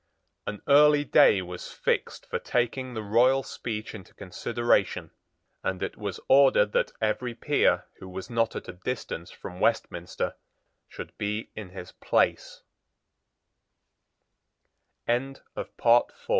An early day was fixed for taking the royal speech into consideration; and it was ordered that every peer who was not at a distance from Westminster should be in his